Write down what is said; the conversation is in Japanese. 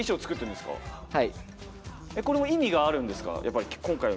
これも意味があるんですか。